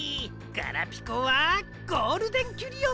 ガラピコはゴールデンキュリオぞうです！